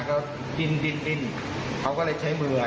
ก็ดิ้นเขาก็เลยใช้มือ